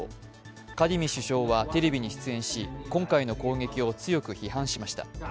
カディミ首相はテレビに出演し、今回の攻撃を強く批判しました。